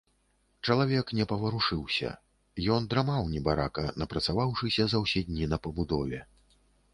Чалавек не паварушыўся, ён драмаў, небарака, напрацаваўшыся за ўсе дні на пабудове.